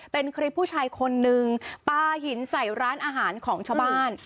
เป็นคลิปผู้ชายคนนึงปลาหินใส่ร้านอาหารของชาวบ้าน